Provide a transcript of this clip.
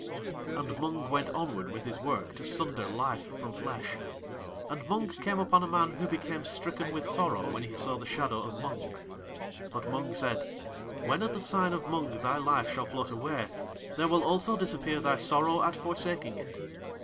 And Mung went onward with his work to sunder Life from flesh, and Mung came upon a man who became stricken with sorrow when he saw the shadow of Mung. But Mung said: "When at the sign of Mung thy Life shall float away there will also disappear thy sorrow at forsaking it."